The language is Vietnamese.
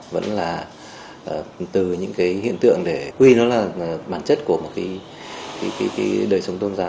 vẫn là từ những cái hiện tượng để quy nó là bản chất của một cái đời sống tôn giáo